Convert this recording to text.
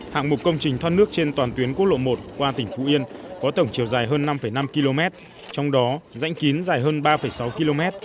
hạng mục công trình thoát nước trên toàn tuyến quốc lộ một qua tỉnh phú yên có tổng chiều dài hơn năm năm km trong đó rãnh kín dài hơn ba sáu km